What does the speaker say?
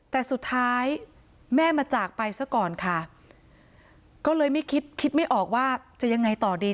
แต่สุดท้ายแม่มาจากไปซะก่อนค่ะก็เลยไม่คิดคิดไม่ออกว่าจะยังไงต่อดี